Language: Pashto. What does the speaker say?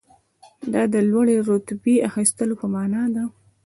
دا د لوړې رتبې اخیستلو په معنی ده.